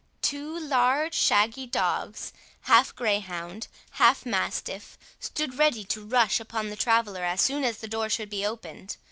Two large shaggy dogs, half greyhound half mastiff, stood ready to rush upon the traveller as soon as the door should be opened.